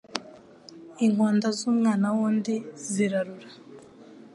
Inkonda z’umwana w’undi zirarura